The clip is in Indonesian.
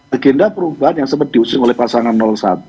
agenda perubahan yang sempat diusung oleh pasangan satu